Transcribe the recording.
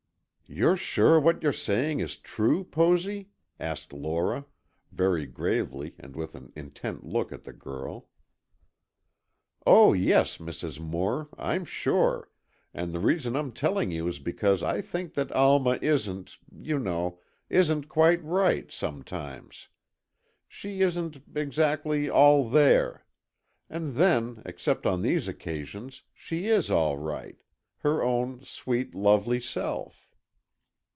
"You're sure what you are saying is true, Posy?" asked Lora, very gravely and with an intent look at the girl. "Oh, yes, Mrs. Moore, I'm sure, and the reason I'm telling you is because I think that Alma isn't—you know—isn't quite right, sometimes. She isn't—exactly, all there. And then, except on these occasions, she is all right, her own sweet, lovely self."